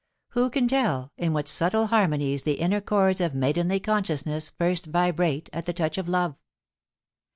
Who can tell in what subtle harmonies the inner cliords of maidenly consciousness first vibrate at the touch of love